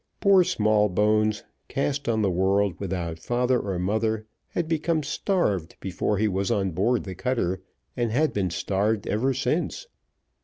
Poor Smallbones, cast on the world without father or mother, had become starved before he was on board the cutter, and had been starved ever since.